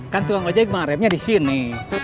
kan tukang ojek mah remnya di sini